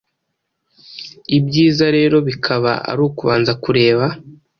ibyiza rero bikaba ari ukubanza kureba,